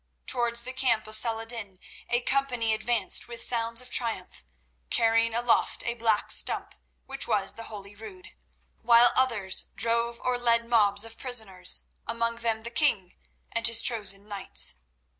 Towards the camp of Saladin a company advanced with sounds of triumph, carrying aloft a black stump which was the holy Rood, while others drove or led mobs of prisoners, among them the king and his chosen knights.